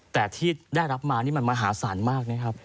แต่ที่ได้รับมานี่มันมหาศาลมากนะครับ